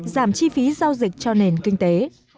giảm chi phí giao dịch cho nền kinh tế